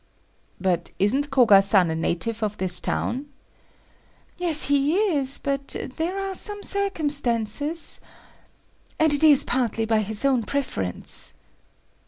"But isn't Koga san a native of this town?" "Yes, he is. But there are some circumstances …… and it is partly by his own preference."